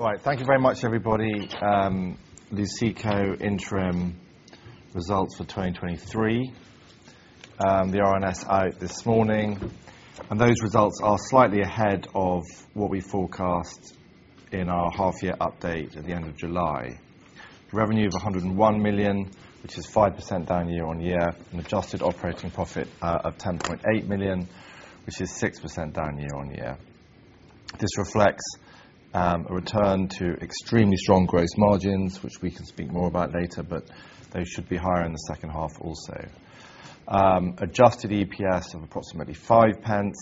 All right. Thank you very much, everybody. Luceco interim results for 2023, they are announced out this morning, and those results are slightly ahead of what we forecast in our half year update at the end of July. The revenue of 101 million, which is 5% down year-on-year, an adjusted operating profit of 10.8 million, which is 6% down year-on-year. This reflects a return to extremely strong gross margins, which we can speak more about later, but they should be higher in the second half also. Adjusted EPS of approximately 0.05,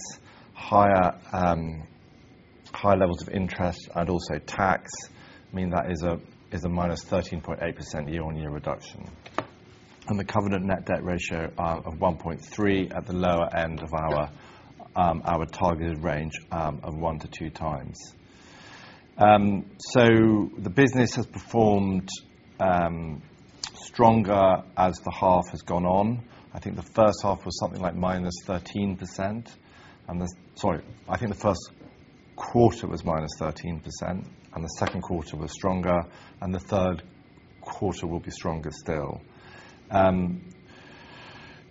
higher levels of interest and also tax mean that is a -13.8% year-on-year reduction. The covenant net debt ratio of 1.3% at the lower end of our targeted range of 1x-2x. So the business has performed stronger as the half has gone on. I think the first half was something like -13%, and the—Sorry, I think the first quarter was -13%, and the second quarter was stronger, and the third quarter will be stronger still.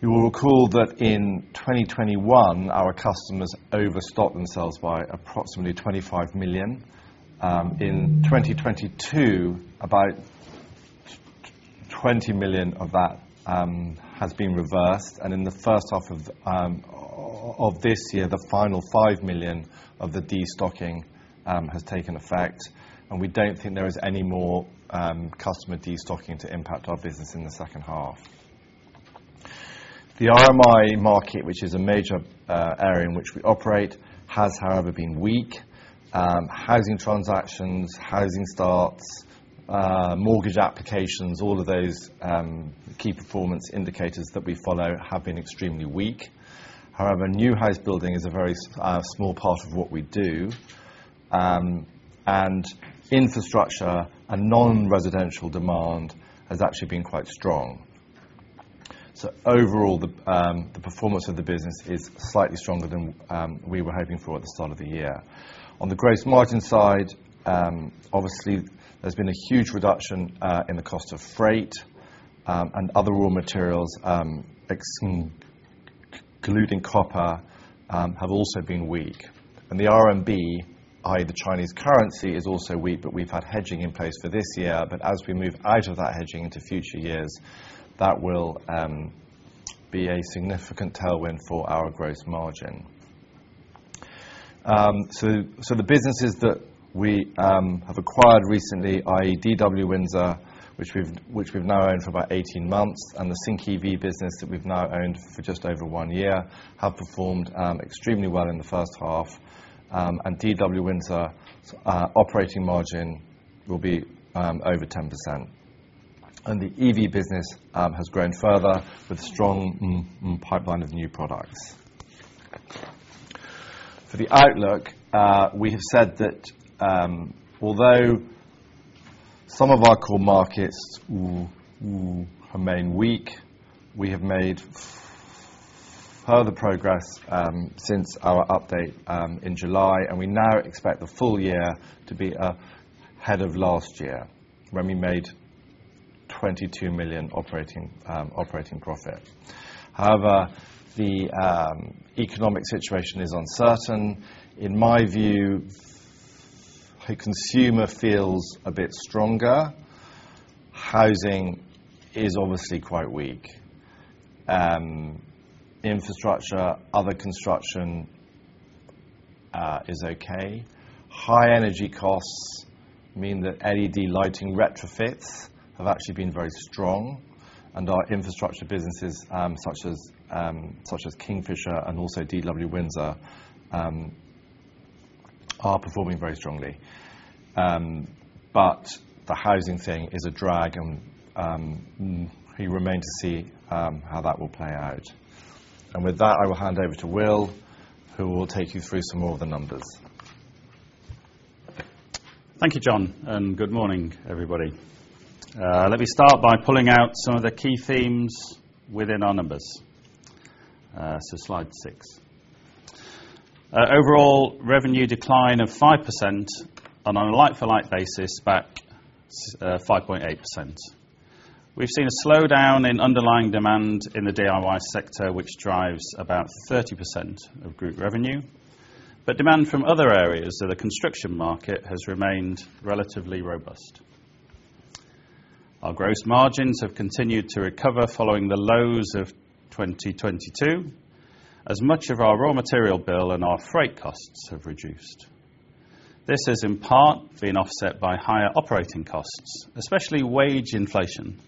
You will recall that in 2021, our customers overstock themselves by approximately 25 million. In 2022, about twenty million of that has been reversed, and in the first half of this year, the final 5 million of the destocking has taken effect, and we don't think there is any more customer destocking to impact our business in the second half. The RMI market, which is a major area in which we operate, has, however, been weak. Housing transactions, housing starts, mortgage applications, all of those key performance indicators that we follow have been extremely weak. However, new house building is a very small part of what we do, and infrastructure and non-residential demand has actually been quite strong. So overall, the performance of the business is slightly stronger than we were hoping for at the start of the year. On the gross margin side, obviously, there's been a huge reduction in the cost of freight, and other raw materials, e.g., including copper, have also been weak. And the RMB, i.e., the Chinese currency, is also weak, but we've had hedging in place for this year. But as we move out of that hedging into future years, that will be a significant tailwind for our gross margin. So, the businesses that we have acquired recently, i.e., DW Windsor, which we've now owned for about 18 months, and the Sync EV business that we've now owned for just over 1 year, have performed extremely well in the first half. And DW Windsor operating margin will be over 10%. And the EV business has grown further with strong M&A pipeline of new products. For the outlook, we have said that, although some of our core markets remain weak, we have made further progress, since our update, in July, and we now expect the full year to be up ahead of last year, when we made 22 million operating profit. However, the economic situation is uncertain. In my view, the consumer feels a bit stronger. Housing is obviously quite weak. Infrastructure, other construction, is okay. High energy costs mean that LED lighting retrofits have actually been very strong, and our infrastructure businesses, such as Kingfisher and also DW Windsor, are performing very strongly. But the housing thing is a drag and, we remain to see how that will play out. With that, I will hand over to Will, who will take you through some more of the numbers. Thank you, John, and good morning, everybody. Let me start by pulling out some of the key themes within our numbers. So slide six. Overall, revenue decline of 5%, and on a like-for-like basis, back 5.8%. We've seen a slowdown in underlying demand in the DIY sector, which drives about 30% of group revenue, but demand from other areas of the construction market has remained relatively robust. Our gross margins have continued to recover following the lows of 2022, as much of our raw material bill and our freight costs have reduced. This has in part been offset by higher operating costs, especially wage inflation.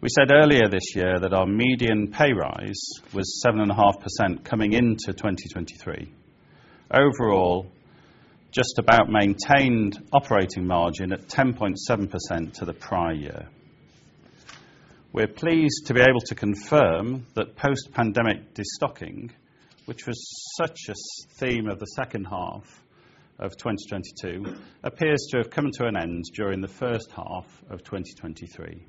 We said earlier this year that our median pay rise was 7.5% coming into 2023. Overall, just about maintained operating margin of 10.7% to the prior year. We're pleased to be able to confirm that post-pandemic destocking, which was such a theme of the second half of 2022, appears to have come to an end during the first half of 2023.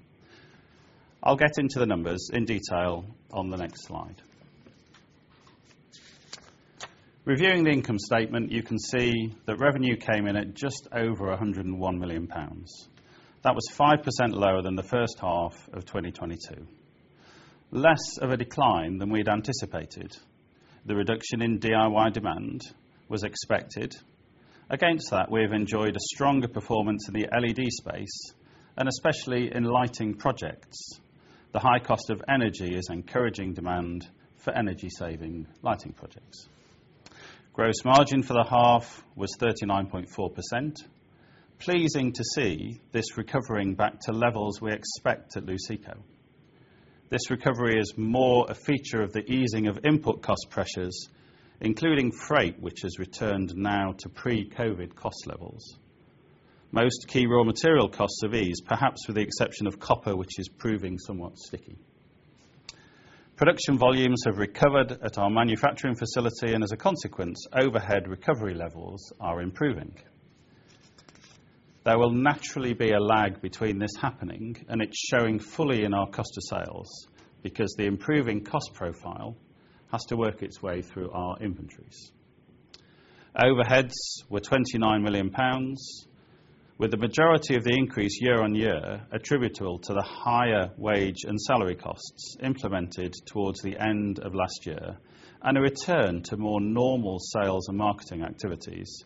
I'll get into the numbers in detail on the next slide. Reviewing the income statement, you can see that revenue came in at just over 101 million pounds. That was 5% lower than the first half of 2022. Less of a decline than we'd anticipated. The reduction in DIY demand was expected. Against that, we have enjoyed a stronger performance in the LED space, and especially in lighting projects. The high cost of energy is encouraging demand for energy-saving lighting projects. Gross margin for the half was 39.4%. Pleasing to see this recovering back to levels we expect at Luceco. This recovery is more a feature of the easing of input cost pressures, including freight, which has returned now to pre-COVID cost levels. Most key raw material costs have eased, perhaps with the exception of copper, which is proving somewhat sticky. Production volumes have recovered at our manufacturing facility, and as a consequence, overhead recovery levels are improving. There will naturally be a lag between this happening and it showing fully in our cost of sales, because the improving cost profile has to work its way through our inventories. Overheads were 29 million pounds, with the majority of the increase year-on-year attributable to the higher wage and salary costs implemented towards the end of last year, and a return to more normal sales and marketing activities,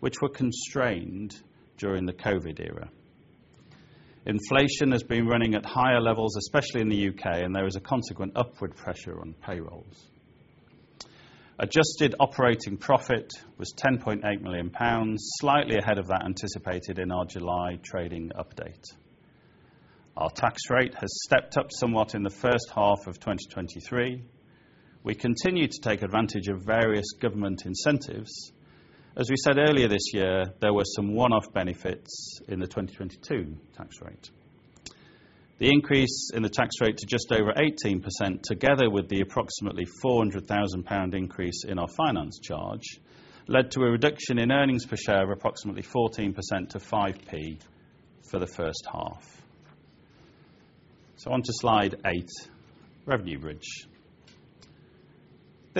which were constrained during the COVID era. Inflation has been running at higher levels, especially in the U.K., and there is a consequent upward pressure on payrolls. Adjusted operating profit was 10.8 million pounds, slightly ahead of that anticipated in our July trading update. Our tax rate has stepped up somewhat in the first half of 2023. We continue to take advantage of various government incentives. As we said earlier this year, there were some one-off benefits in the 2022 tax rate. The increase in the tax rate to just over 18%, together with the approximately 400,000 pound increase in our finance charge, led to a reduction in earnings per share of approximately 14% to 5p for the first half. So on to Slide eight, Revenue Bridge.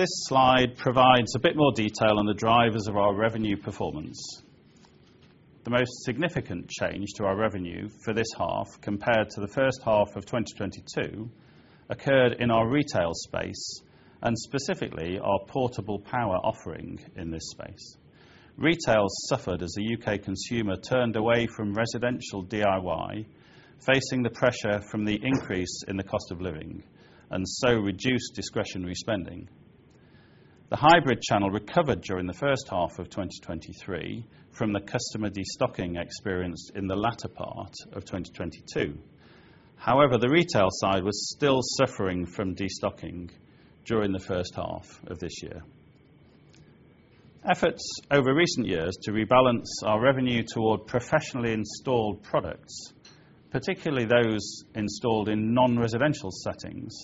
This slide provides a bit more detail on the drivers of our revenue performance. The most significant change to our revenue for this half, compared to the first half of 2022, occurred in our retail space and specifically our portable power offering in this space. Retail suffered as the U.K. consumer turned away from residential DIY, facing the pressure from the increase in the cost of living, and so reduced discretionary spending. The hybrid channel recovered during the first half of 2023 from the customer destocking experienced in the latter part of 2022. However, the retail side was still suffering from destocking during the first half of this year. Efforts over recent years to rebalance our revenue toward professionally installed products, particularly those installed in non-residential settings,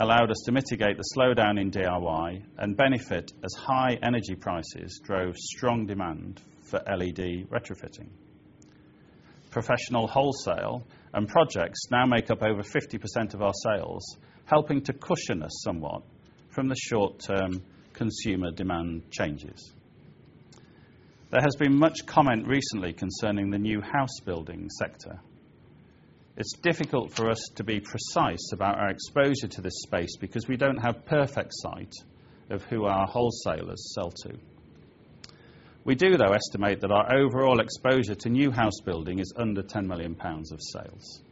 allowed us to mitigate the slowdown in DIY and benefit as high energy prices drove strong demand for LED retrofitting. Professional wholesale and projects now make up over 50% of our sales, helping to cushion us somewhat from the short-term consumer demand changes. There has been much comment recently concerning the new house building sector. It's difficult for us to be precise about our exposure to this space because we don't have perfect sight of who our wholesalers sell to. We do, though, estimate that our overall exposure to new house building is under 10 million pounds of sales.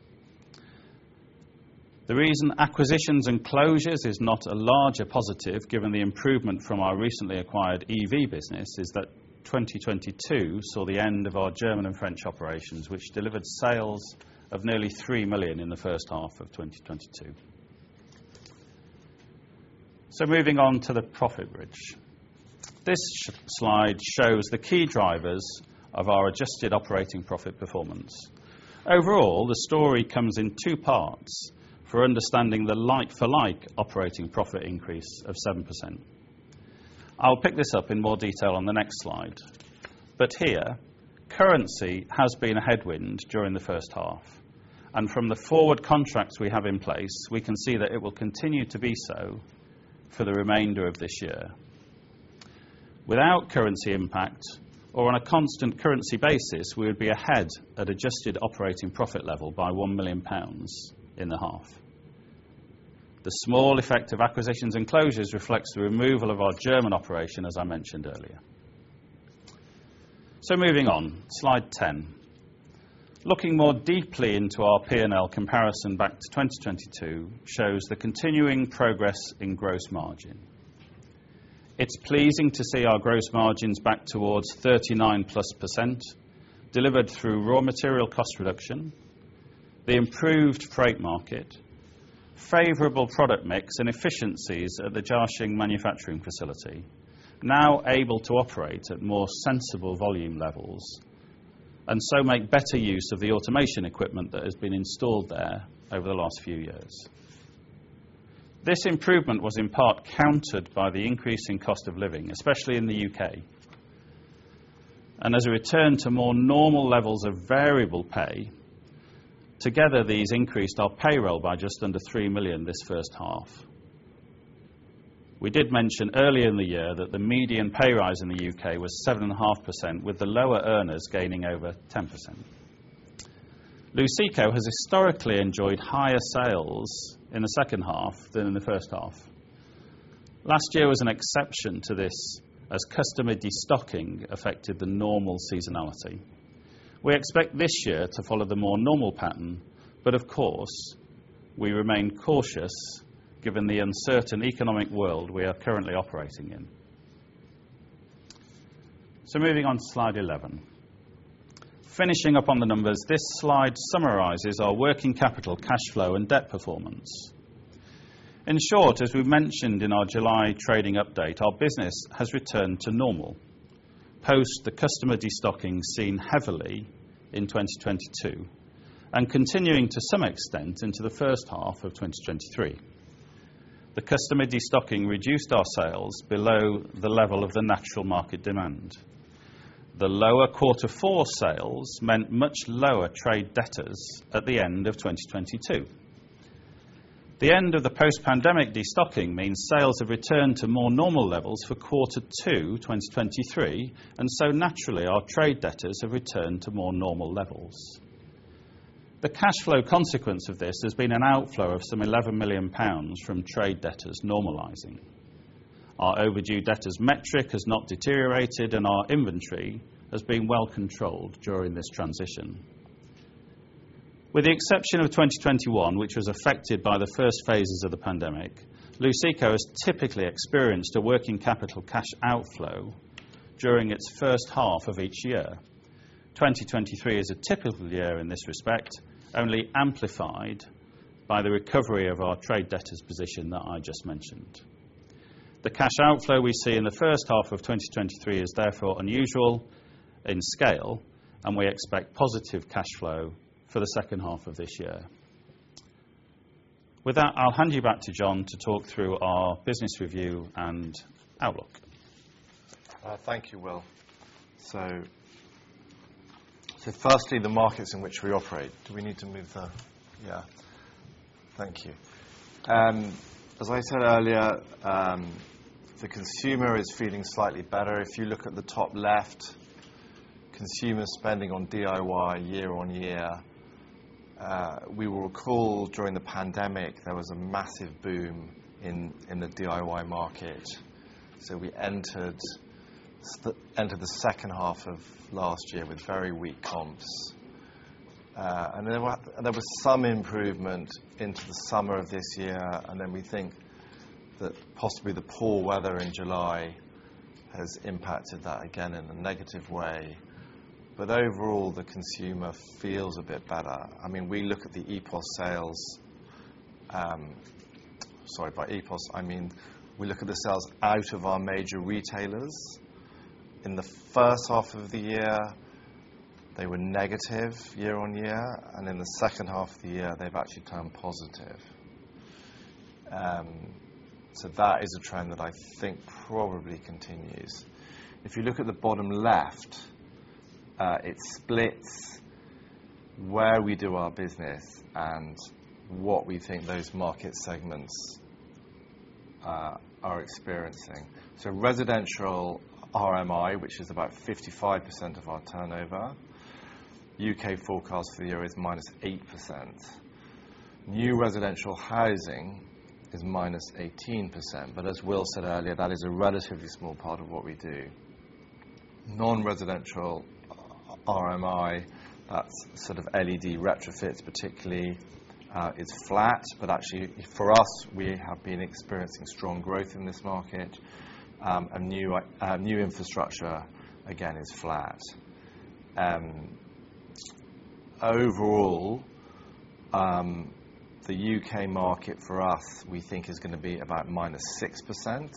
The reason acquisitions and closures is not a larger positive, given the improvement from our recently acquired EV business, is that 2022 saw the end of our German and French operations, which delivered sales of nearly 3 million in the first half of 2022. Moving on to the profit bridge. This slide shows the key drivers of our adjusted operating profit performance. Overall, the story comes in two parts for understanding the like-for-like operating profit increase of 7%. I'll pick this up in more detail on the next slide. But here, currency has been a headwind during the first half, and from the forward contracts we have in place, we can see that it will continue to be so for the remainder of this year. Without currency impact or on a constant currency basis, we would be ahead at adjusted operating profit level by 1 million pounds in the half. The small effect of acquisitions and closures reflects the removal of our German operation, as I mentioned earlier. So moving on, Slide 10. Looking more deeply into our P&L comparison back to 2022 shows the continuing progress in gross margin. It's pleasing to see our gross margins back towards 39%+, delivered through raw material cost reduction, the improved freight market, favorable product mix, and efficiencies at the Jiaxing manufacturing facility, now able to operate at more sensible volume levels, and so make better use of the automation equipment that has been installed there over the last few years. This improvement was in part countered by the increase in cost of living, especially in the U.K., and as a return to more normal levels of variable pay, together, these increased our payroll by just under 3 million this first half. We did mention earlier in the year that the median pay rise in the U.K. was 7.5%, with the lower earners gaining over 10%. Luceco has historically enjoyed higher sales in the second half than in the first half. Last year was an exception to this, as customer destocking affected the normal seasonality. We expect this year to follow the more normal pattern, but of course, we remain cautious given the uncertain economic world we are currently operating in. Moving on to slide 11. Finishing up on the numbers, this slide summarizes our working capital, cash flow, and debt performance. In short, as we've mentioned in our July trading update, our business has returned to normal post the customer destocking seen heavily in 2022, and continuing to some extent into the first half of 2023. The customer destocking reduced our sales below the level of the natural market demand. The lower quarter four sales meant much lower trade debtors at the end of 2022. The end of the post-pandemic destocking means sales have returned to more normal levels for quarter 2, 2023, and so naturally, our trade debtors have returned to more normal levels. The cash flow consequence of this has been an outflow of some 11 million pounds from trade debtors normalizing. Our overdue debtors metric has not deteriorated, and our inventory has been well controlled during this transition. With the exception of 2021, which was affected by the first phases of the pandemic, Luceco has typically experienced a working capital cash outflow during its first half of each year. 2023 is a typical year in this respect, only amplified by the recovery of our trade debtors position that I just mentioned. The cash outflow we see in the first half of 2023 is therefore unusual in scale, and we expect positive cash flow for the second half of this year. With that, I'll hand you back to John to talk through our business review and outlook. Thank you, Will. So, firstly, the markets in which we operate. Do we need to move the—yeah. Thank you. As I said earlier, the consumer is feeling slightly better. If you look at the top left, consumer spending on DIY year on year. We will recall during the pandemic, there was a massive boom in the DIY market. So we entered the second half of last year with very weak comps. And then there was some improvement into the summer of this year, and then we think that possibly the poor weather in July has impacted that again in a negative way. But overall, the consumer feels a bit better. I mean, we look at the EPOS sales. Sorry, by EPOS, I mean, we look at the sales out of our major retailers. In the first half of the year, they were negative year-on-year, and in the second half of the year, they've actually turned positive. So that is a trend that I think probably continues. If you look at the bottom left, it splits where we do our business and what we think those market segments are experiencing. So residential RMI, which is about 55% of our turnover, U.K. forecast for the year is -8%. New residential housing is -18%, but as Will said earlier, that is a relatively small part of what we do. Non-residential RMI, that's sort of LED retrofits, particularly, is flat, but actually for us, we have been experiencing strong growth in this market. And new infrastructure, again, is flat. Overall, the U.K. market for us, we think is going to be about -6%.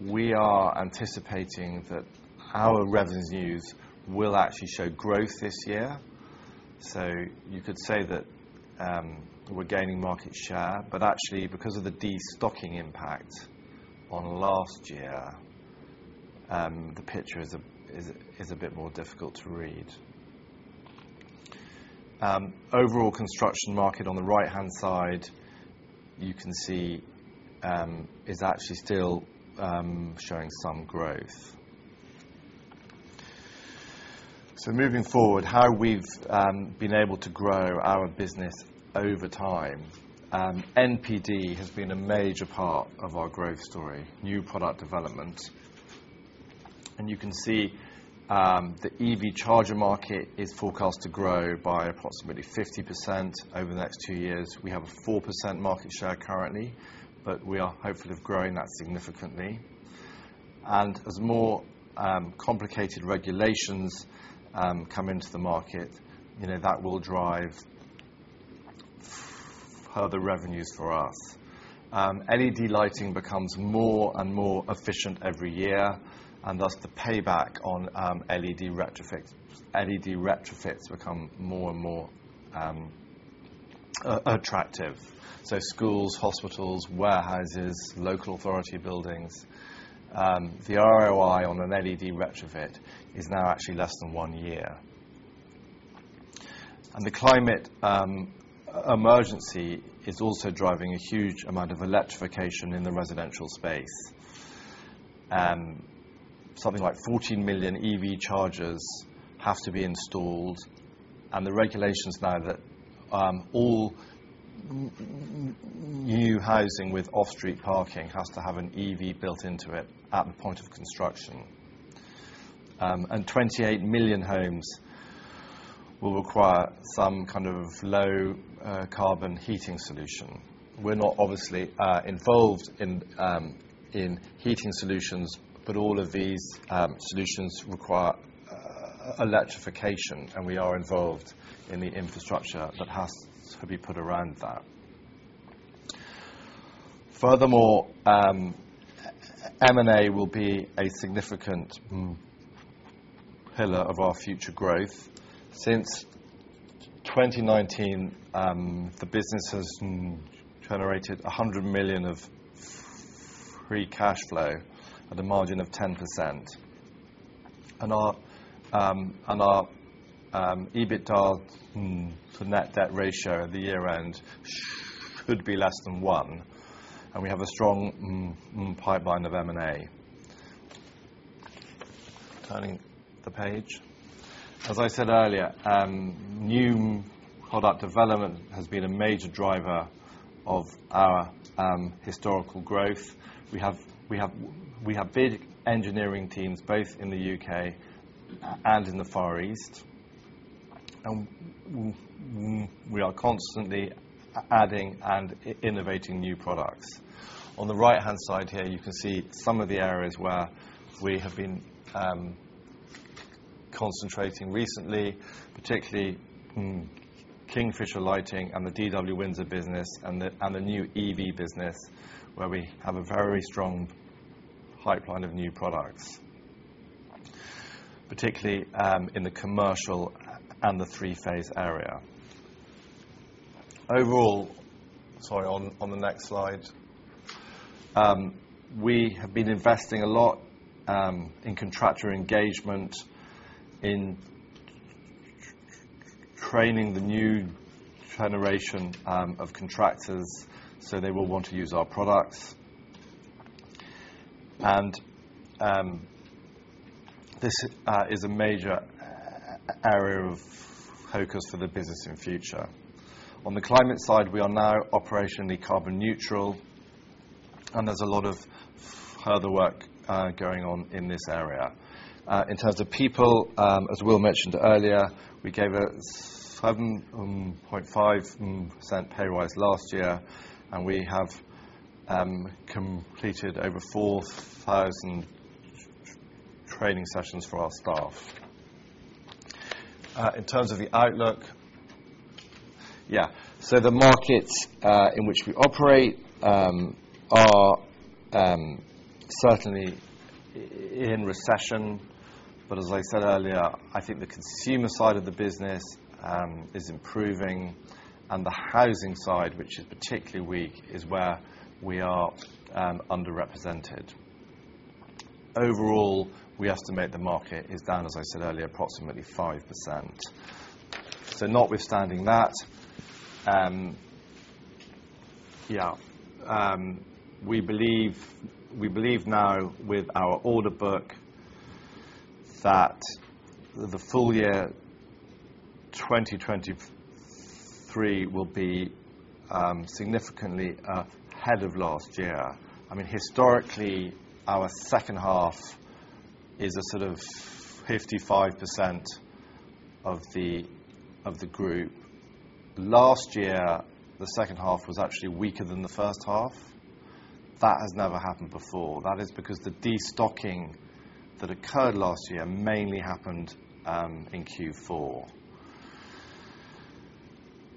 We are anticipating that our revenues will actually show growth this year. So you could say that, we're gaining market share, but actually, because of the destocking impact on last year, the picture is a bit more difficult to read. Overall construction market on the right-hand side, you can see, is actually still showing some growth. So moving forward, how we've been able to grow our business over time, NPD has been a major part of our growth story, new product development. And you can see, the EV charger market is forecast to grow by approximately 50% over the next two years. We have a 4% market share currently, but we are hopeful of growing that significantly. As more complicated regulations come into the market, you know, that will drive further revenues for us. LED lighting becomes more and more efficient every year, and thus, the payback on LED retrofits become more and more attractive. So schools, hospitals, warehouses, local authority buildings, the ROI on an LED retrofit is now actually less than one year. And the climate emergency is also driving a huge amount of electrification in the residential space. Something like 14 million EV chargers have to be installed, and the regulations now that all new housing with off-street parking has to have an EV built into it at the point of construction. And 28 million homes will require some kind of low carbon heating solution. We're not obviously involved in heating solutions, but all of these solutions require electrification, and we are involved in the infrastructure that has to be put around that. Furthermore, M&A will be a significant pillar of our future growth. Since 2019, the business has generated 100 million of free cash flow at a margin of 10%. And our EBITDA to net debt ratio at the year-end should be less than 1, and we have a strong pipeline of M&A. Turning the page. As I said earlier, new product development has been a major driver of our historical growth. We have big engineering teams both in the U.K. and in the Far East, and we are constantly adding and innovating new products. On the right-hand side here, you can see some of the areas where we have been concentrating recently, particularly Kingfisher Lighting and the DW Windsor business and the new EV business, where we have a very strong pipeline of new products, particularly in the commercial and the three-phase area. Overall—Sorry, on the next slide. We have been investing a lot in contractor engagement, in training the new generation of contractors, so they will want to use our products. And this is a major area of focus for the business in future. On the climate side, we are now operationally carbon neutral, and there's a lot of further work going on in this area. In terms of people, as Will mentioned earlier, we gave a 7.5% pay rise last year, and we have completed over 4,000 training sessions for our staff. In terms of the outlook. Yeah. So the markets in which we operate are certainly in recession. But as I said earlier, I think the consumer side of the business is improving, and the housing side, which is particularly weak, is where we are underrepresented. Overall, we estimate the market is down, as I said earlier, approximately 5%. So notwithstanding that, yeah, we believe now with our order book, that the full year 2023 will be significantly ahead of last year. I mean, historically, our second half is a sort of 55% of the group. Last year, the second half was actually weaker than the first half. That has never happened before. That is because the destocking that occurred last year mainly happened in Q4.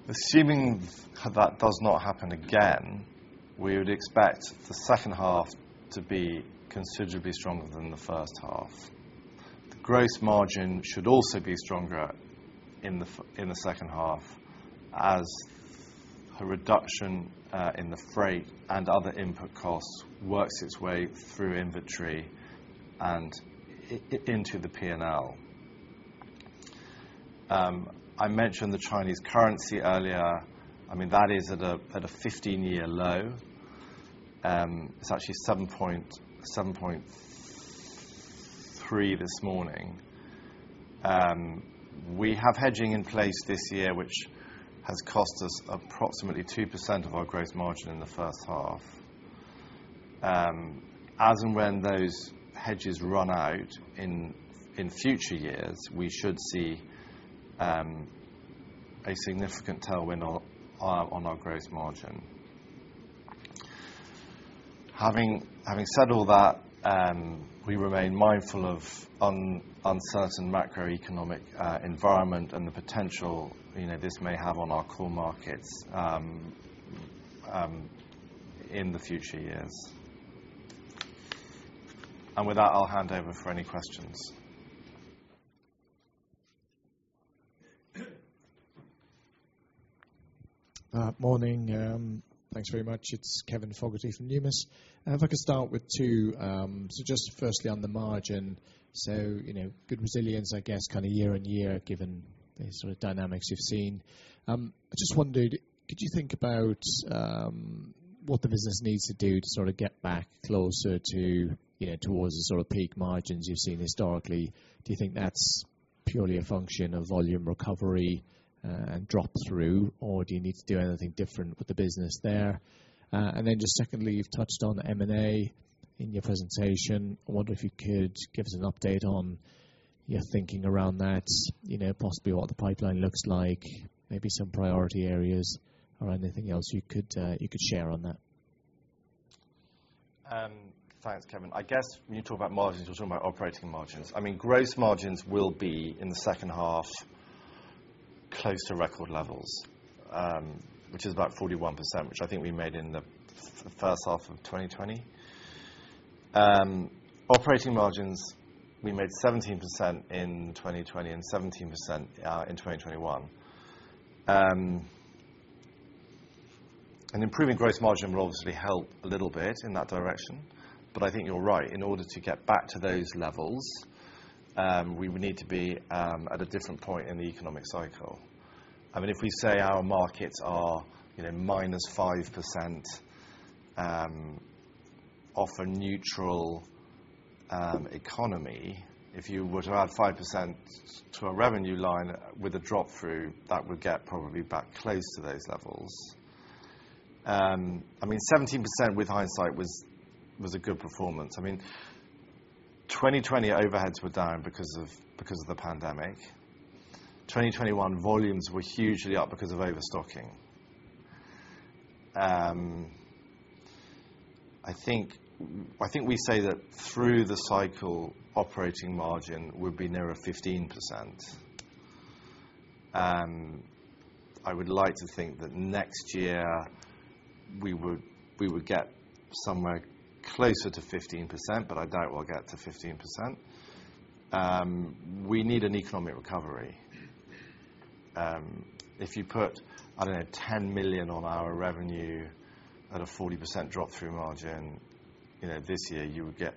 Assuming that does not happen again, we would expect the second half to be considerably stronger than the first half. The gross margin should also be stronger in the second half, as a reduction in the freight and other input costs works its way through inventory and into the P&L. I mentioned the Chinese currency earlier. I mean, that is at a 15-year low. It's actually 7.3% this morning. We have hedging in place this year, which has cost us approximately 2% of our gross margin in the first half. As and when those hedges run out in future years, we should see a significant tailwind on our gross margin. Having said all that, we remain mindful of uncertain macroeconomic environment and the potential, you know, this may have on our core markets in the future years. And with that, I'll hand over for any questions. Morning, thanks very much. It's Kevin Fogarty from Numis. And if I could start with two, so just firstly, on the margin, so, you know, good resilience, I guess, kind of year on year, given the sort of dynamics you've seen. I just wondered, could you think about, what the business needs to do to sort of get back closer to, you know, towards the sort of peak margins you've seen historically? Do you think that's purely a function of volume recovery, and drop-through, or do you need to do anything different with the business there? And then just secondly, you've touched on M&A in your presentation. I wonder if you could give us an update on your thinking around that, you know, possibly what the pipeline looks like, maybe some priority areas or anything else you could, you could share on that. Thanks, Kevin. I guess when you talk about margins, you're talking about operating margins. I mean, gross margins will be, in the second half, close to record levels, which is about 41%, which I think we made in the first half of 2020. Operating margins, we made 17% in 2020 and 17%, in 2021. And improving gross margin will obviously help a little bit in that direction, but I think you're right. In order to get back to those levels, we would need to be at a different point in the economic cycle. I mean, if we say our markets are, you know, -5%, off a neutral economy, if you were to add 5% to a revenue line with a drop-through, that would get probably back close to those levels. I mean, 17% with hindsight was a good performance. I mean, 2020 overheads were down because of the pandemic. 2021 volumes were hugely up because of overstocking. I think we say that through the cycle, operating margin would be nearer 15%. I would like to think that next year we would get somewhere closer to 15%, but I doubt we'll get to 15%. We need an economic recovery. If you put, I don't know, 10 million on our revenue at a 40% drop-through margin, you know, this year, you would get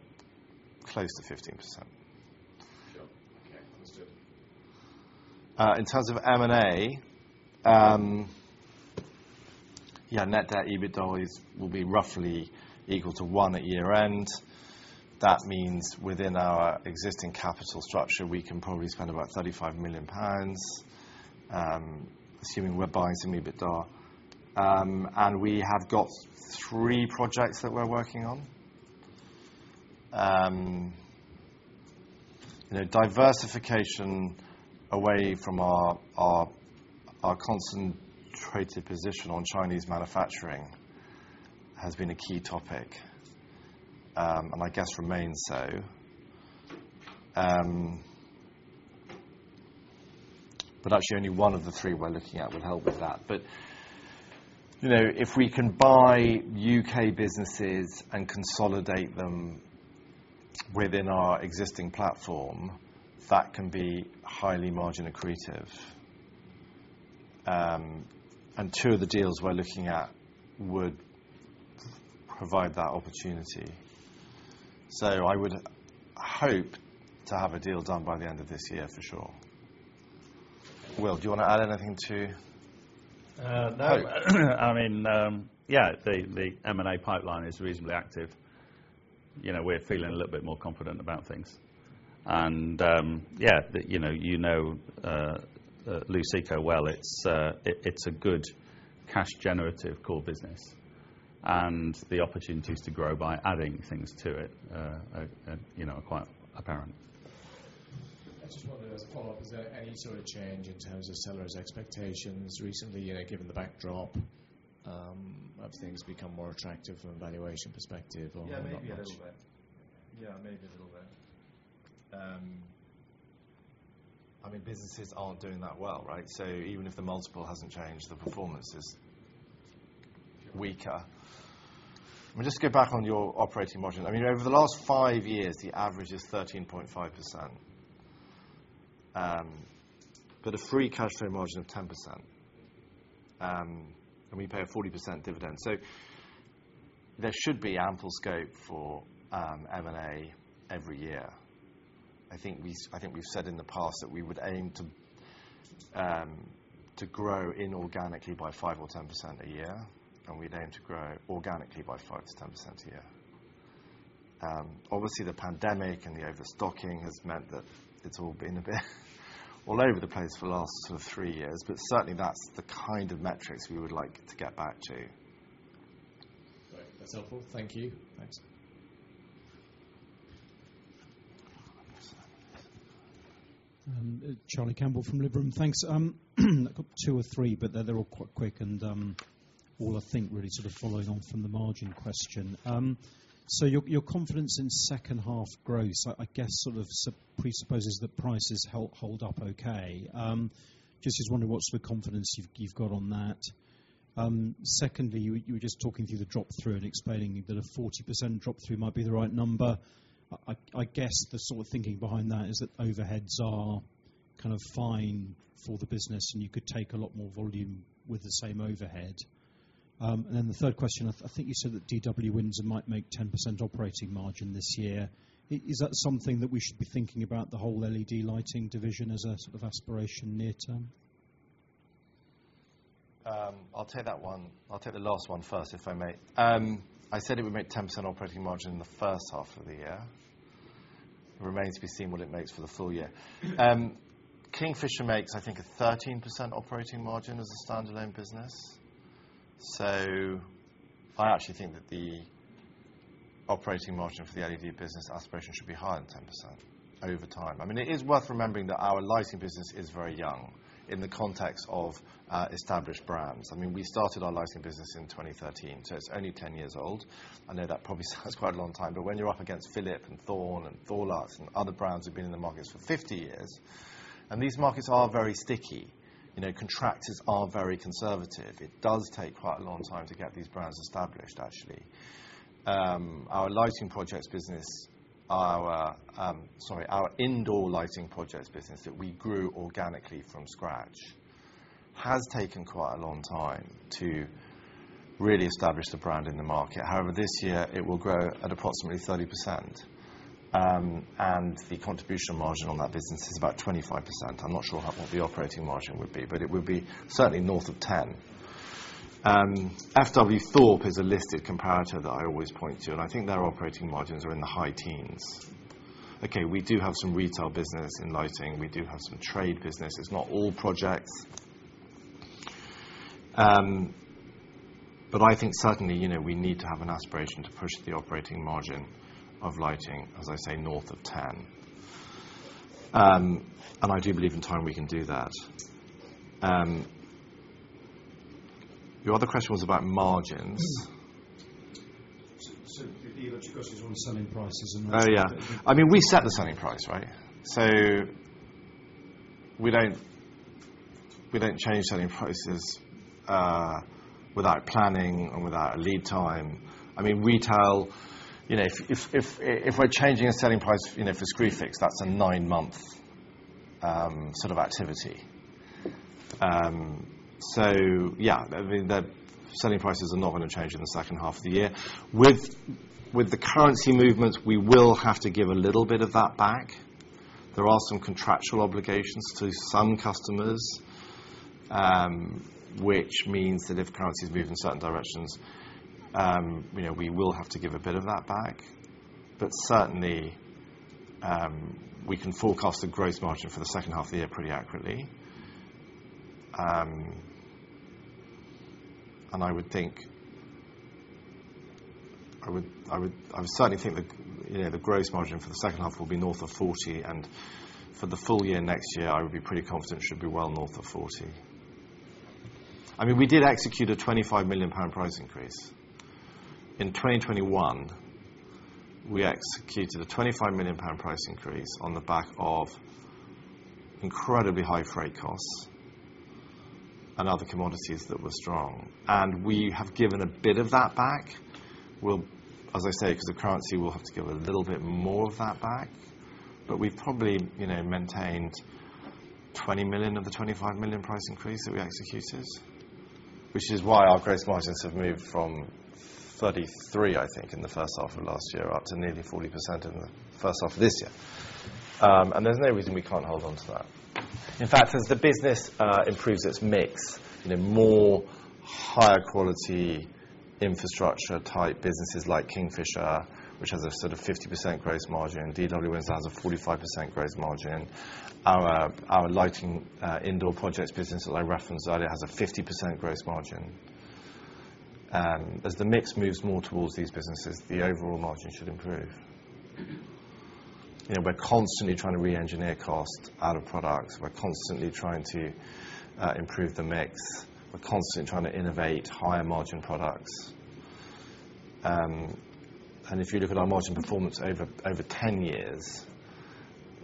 close to 15%. Sure. Okay, that's good. In terms of M&A, yeah, net debt EBITDA is, will be roughly equal to one at year-end. That means within our existing capital structure, we can probably spend about 35 million pounds, assuming we're buying some EBITDA. And we have got three projects that we're working on. You know, diversification away from our concentrated position on Chinese manufacturing has been a key topic, and I guess remains so. But actually, only one of the three we're looking at would help with that. But, you know, if we can buy U.K. businesses and consolidate them within our existing platform, that can be highly margin accretive. And two of the deals we're looking at would provide that opportunity. So I would hope to have a deal done by the end of this year, for sure. Will, do you want to add anything to- No. I mean, yeah, the M&A pipeline is reasonably active. You know, we're feeling a little bit more confident about things. And, yeah, you know, Luceco well. It's a good cash generative core business, and the opportunities to grow by adding things to it are, you know, quite apparent. I just wondered, as a follow-up, is there any sort of change in terms of sellers' expectations recently, you know, given the backdrop, have things become more attractive from a valuation perspective or not much? Yeah, maybe a little bit. Yeah, maybe a little bit. I mean, businesses aren't doing that well, right? So even if the multiple hasn't changed, the performance is weaker. Let me just go back on your operating margin. I mean, over the last five years, the average is 13.5%, but a free cash flow margin of 10%, and we pay a 40% dividend. So there should be ample scope for M&A every year. I think we, I think we've said in the past that we would aim to grow inorganically by 5% or 10% a year, and we'd aim to grow organically by 5%-10% a year. Obviously, the pandemic and the overstocking has meant that it's all been a bit all over the place for the last sort of three years, but certainly, that's the kind of metrics we would like to get back to. Great. That's helpful. Thank you. Thanks. Charlie Campbell from Liberum. Thanks. I've got two or three, but they're all quite quick. All, I think, really sort of following on from the margin question. So your confidence in second half growth, I guess sort of presupposes that prices hold up okay. Just wondering what sort of confidence you've got on that? Secondly, you were just talking through the drop-through and explaining that a 40% drop-through might be the right number. I guess the sort of thinking behind that is that overheads are kind of fine for the business, and you could take a lot more volume with the same overhead. And then the third question. I think you said that DW Windsor might make 10% operating margin this year. Is that something that we should be thinking about, the whole LED lighting division, as a sort of aspiration near term? I'll take that one. I'll take the last one first, if I may. I said it would make 10% operating margin in the first half of the year. It remains to be seen what it makes for the full year. Kingfisher makes, I think, a 13% operating margin as a standalone business. So I actually think that the operating margin for the LED business aspiration should be higher than 10% over time. I mean, it is worth remembering that our lighting business is very young in the context of established brands. I mean, we started our lighting business in 2013, so it's only 10 years old. I know that probably sounds quite a long time, but when you're up against Philips and Thorn and Thorlux, and other brands have been in the markets for 50 years, and these markets are very sticky. You know, contractors are very conservative. It does take quite a long time to get these brands established, actually. Our lighting projects business, our indoor lighting projects business, that we grew organically from scratch, has taken quite a long time to really establish the brand in the market. However, this year it will grow at approximately 30%, and the contribution margin on that business is about 25%. I'm not sure what the operating margin would be, but it would be certainly north of 10. FW Thorpe is a listed comparator that I always point to, and I think their operating margins are in the high teens. Okay, we do have some retail business in lighting. We do have some trade business. It's not all projects. I think certainly, you know, we need to have an aspiration to push the operating margin of lighting, as I say, north of 10%. I do believe in time we can do that. Your other question was about margins. So the other question was on selling prices and- Oh, yeah. I mean, we set the selling price, right? So we don't, we don't change selling prices without planning and without a lead time. I mean, retail, you know, if we're changing a selling price, you know, for Screwfix, that's a nine-month sort of activity. So yeah, I mean, the selling prices are not going to change in the second half of the year. With the currency movements, we will have to give a little bit of that back. There are some contractual obligations to some customers, which means that if currencies move in certain directions, you know, we will have to give a bit of that back. But certainly, we can forecast the gross margin for the second half of the year pretty accurately. And I would think—I would certainly think that, you know, the gross margin for the second half will be north of 40%, and for the full year next year, I would be pretty confident it should be well north of 40%. I mean, we did execute a 25 million pound price increase. In 2021, we executed a 25 million pound price increase on the back of incredibly high freight costs and other commodities that were strong. And we have given a bit of that back. We'll, as I say, because of currency, we'll have to give a little bit more of that back, but we've probably, you know, maintained 20 million of the 25 million price increase that we executed. Which is why our gross margins have moved from 33%, I think, in the first half of last year, up to nearly 40% in the first half of this year. And there's no reason we can't hold on to that. In fact, as the business improves its mix in a more higher quality, infrastructure-type businesses like Kingfisher, which has a sort of 50% gross margin, DW Windsor has a 45% gross margin. Our lighting indoor projects business that I referenced earlier, has a 50% gross margin. As the mix moves more towards these businesses, the overall margin should improve. You know, we're constantly trying to re-engineer costs out of products. We're constantly trying to improve the mix. We're constantly trying to innovate higher margin products. If you look at our margin performance over 10 years,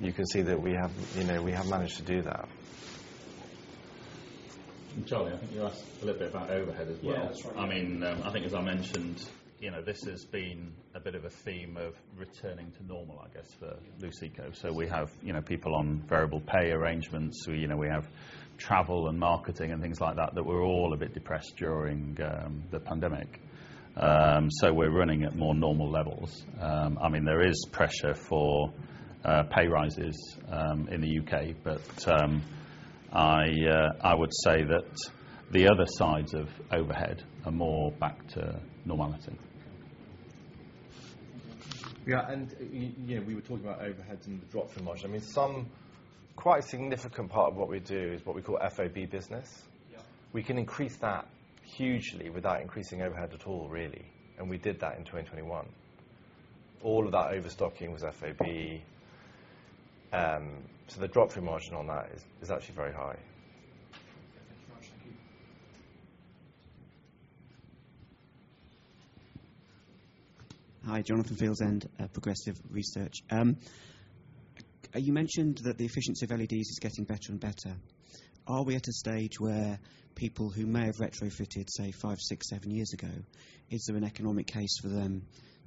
you can see that we have, you know, we have managed to do that. Charlie, I think you asked a little bit about overhead as well. Yeah, that's right. I mean, I think as I mentioned, you know, this has been a bit of a theme of returning to normal, I guess, for Luceco. So we have, you know, people on variable pay arrangements. We, you know, we have travel and marketing and things like that, that were all a bit depressed during the pandemic. So we're running at more normal levels. I mean, there is pressure for pay rises in the U.K., but I would say that the other sides of overhead are more back to normality. Yeah, and, you know, we were talking about overheads and the drop in margin. I mean, some quite significant part of what we do is what we call FOB business. Yeah. We can increase that hugely without increasing overhead at all, really, and we did that in 2021. All of that overstocking was FOB—so the drop through margin on that is actually very high. Thank you very much. Thank you. Hi, Jonathan Helliwell, and, Progressive Research. You mentioned that the efficiency of LEDs is getting better and better. Are we at a stage where people who may have retrofitted, say, five, six, seven years ago, is there an economic case for them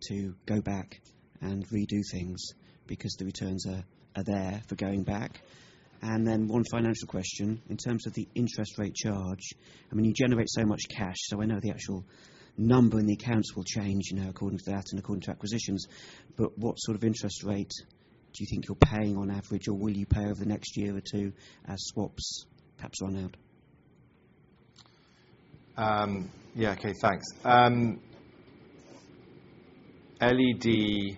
to go back and redo things because the returns are, are there for going back? And then one financial question, in terms of the interest rate charge, I mean, you generate so much cash, so I know the actual number, and the accounts will change, you know, according to that and according to acquisitions, but what sort of interest rate do you think you're paying on average, or will you pay over the next year or two as swaps, perhaps, are nailed? Yeah. Okay, thanks. LED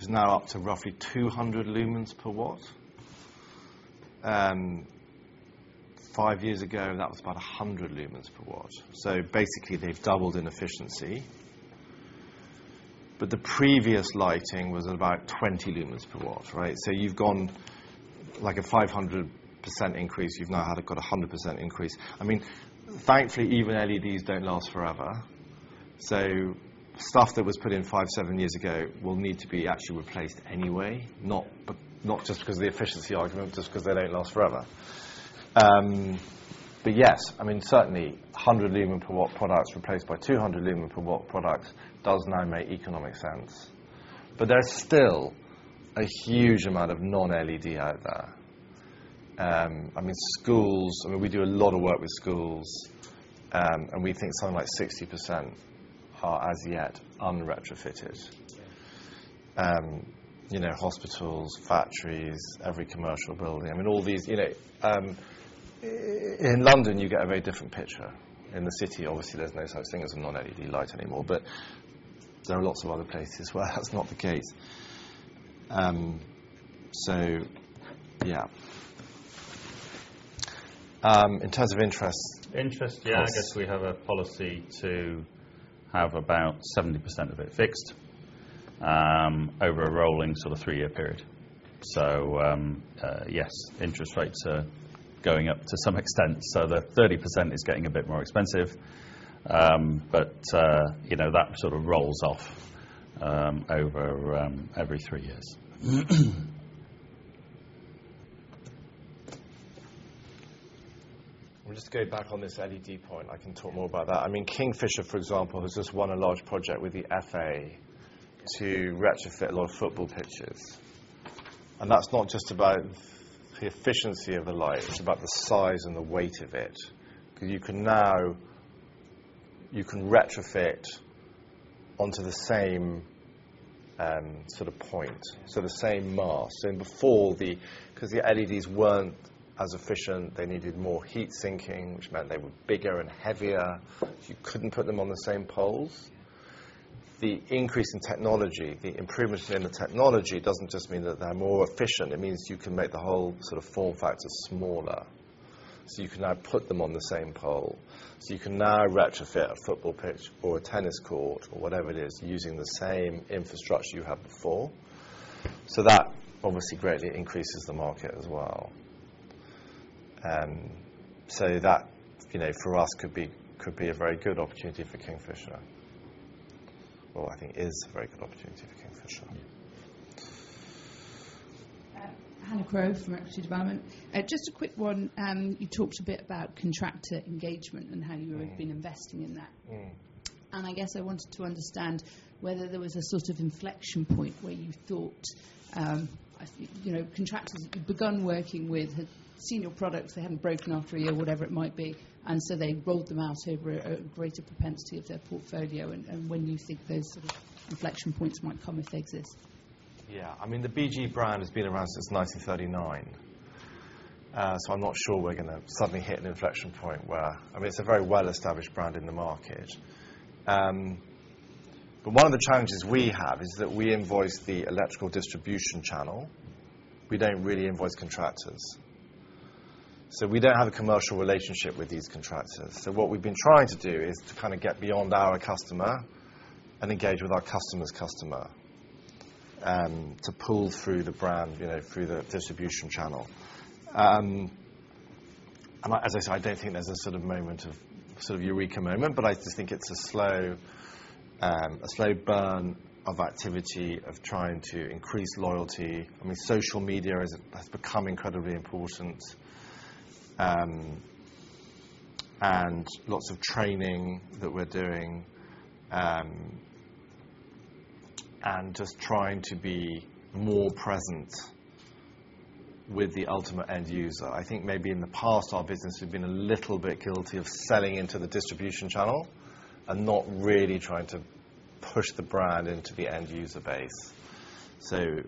is now up to roughly 200 lumens per watt. Five years ago, that was about 100 lumens per watt. So basically, they've doubled in efficiency. But the previous lighting was about 20 lumens per watt, right? So you've gone like a 500% increase. You've now had it got a 100% increase. I mean, thankfully, even LEDs don't last forever, so stuff that was put in 5 years, 7 years ago will need to be actually replaced anyway, not, not just 'cause the efficiency argument, just 'cause they don't last forever. But yes, I mean, certainly 100-lumens-per-watt products replaced by 200-lumens-per-watt products does now make economic sense. But there's still a huge amount of non-LED out there. I mean, schools, I mean, we do a lot of work with schools, and we think something like 60% are as yet unretrofitted. Yeah. You know, hospitals, factories, every commercial building, I mean, all these... You know, in London, you get a very different picture. In the city, obviously, there's no such thing as a non-LED light anymore, but there are lots of other places where that's not the case. So yeah. In terms of interest- Interest, yeah, I guess we have a policy to have about 70% of it fixed over a rolling sort of 3-year period. So, yes, interest rates are going up to some extent, so the 30% is getting a bit more expensive. But, you know, that sort of rolls off over every 3 years. We'll just go back on this LED point. I can talk more about that. I mean, Kingfisher, for example, has just won a large project with the FA to retrofit a lot of football pitches. And that's not just about the efficiency of the light, it's about the size and the weight of it. Because you can now—you can retrofit onto the same, sort of point, so the same mast. So before the, 'cause the LEDs weren't as efficient, they needed more heat sinking, which meant they were bigger and heavier. You couldn't put them on the same poles. The increase in technology, the improvements in the technology, doesn't just mean that they're more efficient, it means you can make the whole sort of form factor smaller. So you can now put them on the same pole. So you can now retrofit a football pitch or a tennis court or whatever it is, using the same infrastructure you had before. So that obviously greatly increases the market as well. So that, you know, for us, could be, could be a very good opportunity for Kingfisher, or I think is a very good opportunity for Kingfisher. Hannah Crowe from Equity Development. Just a quick one. You talked a bit about contractor engagement and how you have been investing in that. Mm-hmm. I guess I wanted to understand whether there was a sort of inflection point where you thought, I think, you know, contractors you've begun working with had seen your products, they haven't broken after a year, whatever it might be, and so they rolled them out over a, a greater propensity of their portfolio, and, and when you think those sort of inflection points might come, if they exist? Yeah. I mean, the BG brand has been around since 1939. So I'm not sure we're gonna suddenly hit an inflection point where—I mean, it's a very well-established brand in the market. But one of the challenges we have is that we invoice the electrical distribution channel. We don't really invoice contractors. So we don't have a commercial relationship with these contractors. So what we've been trying to do is to kind of get beyond our customer and engage with our customer's customer, to pull through the brand, you know, through the distribution channel. And as I said, I don't think there's a sort of moment of, sort of eureka moment, but I just think it's a slow burn of activity, of trying to increase loyalty. I mean, social media is, has become incredibly important, and lots of training that we're doing, and just trying to be more present with the ultimate end user. I think maybe in the past, our business has been a little bit guilty of selling into the distribution channel and not really trying to push the brand into the end user base. So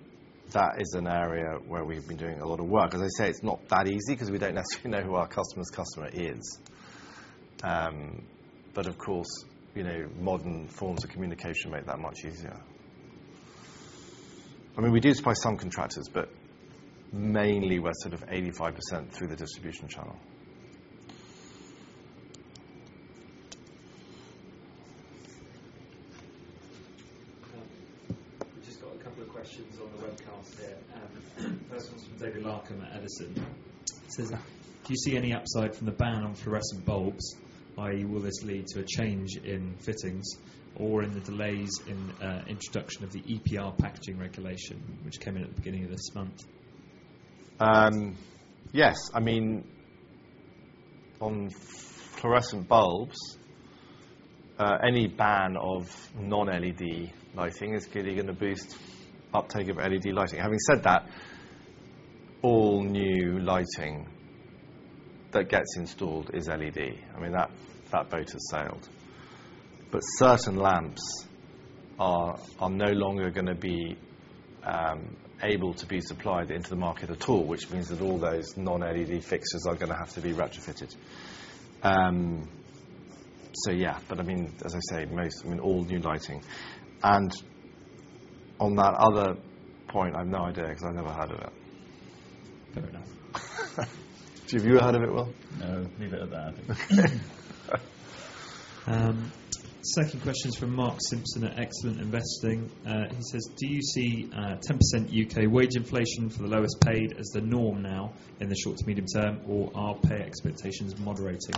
that is an area where we've been doing a lot of work. As I say, it's not that easy 'cause we don't necessarily know who our customer's customer is. But of course, you know, modern forms of communication make that much easier. I mean, we do supply some contractors, but mainly we're sort of 85% through the distribution channel. We just got a couple of questions on the webcast here. First one's from David Larkam at Edison. It says, "Do you see any upside from the ban on fluorescent bulbs? i.e., will this lead to a change in fittings or in the delays in introduction of the EPR packaging regulation, which came in at the beginning of this month? Yes. I mean, on fluorescent bulbs, any ban of non-LED lighting is clearly gonna boost uptake of LED lighting. Having said that, all new lighting that gets installed is LED. I mean, that boat has sailed. But certain lamps are no longer gonna be able to be supplied into the market at all, which means that all those non-LED fixtures are gonna have to be retrofitted. So yeah, but I mean, as I say, most, I mean, all new lighting. And on that other point, I have no idea because I never heard of it. Have you heard of it, Will? No, leave it at that. Second question is from Mark Simpson at Excellent Investing. He says, "Do you see, 10% U.K. wage inflation for the lowest paid as the norm now in the short to medium term, or are pay expectations moderating?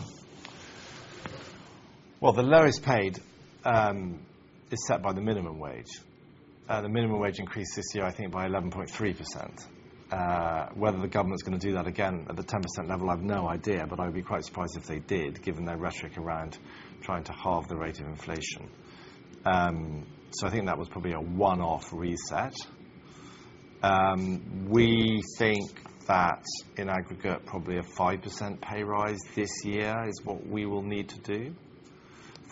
Well, the lowest paid is set by the minimum wage. The minimum wage increased this year, I think, by 11.3%. Whether the government is gonna do that again at the 10% level, I have no idea, but I would be quite surprised if they did, given their rhetoric around trying to halve the rate of inflation. So I think that was probably a one-off reset. We think that in aggregate, probably a 5% pay rise this year is what we will need to do.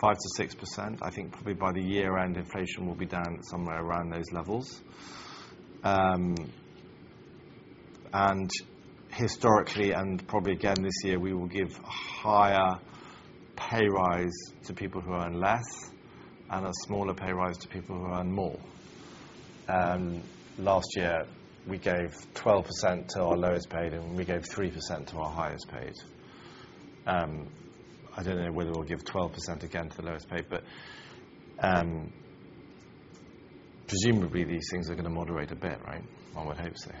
5%-6%. I think probably by the year-end, inflation will be down somewhere around those levels. And historically, and probably again this year, we will give higher pay rise to people who earn less and a smaller pay rise to people who earn more. Last year, we gave 12% to our lowest paid, and we gave 3% to our highest paid. I don't know whether we'll give 12% again to the lowest paid, but, presumably, these things are gonna moderate a bit, right? One would hope so.